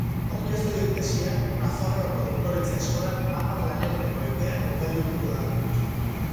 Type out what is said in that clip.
Aurkeztu den tesia Nafarroako Doktoretza Eskolan hamar laneguneko epean gordailutuko da.